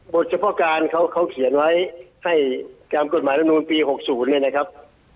บทเฉพาะการเขาเขียนไว้ให้กรรมกฎหมายละนูนปี๖๐เลยนะครับ